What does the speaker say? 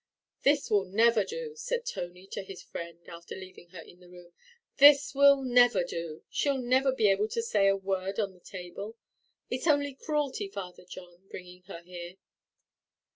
"This will never do," said Tony to his friend after leaving her in the room; "this will never do; she'll never be able to say a word on the table; it's only cruelty, Father John, bringing her here."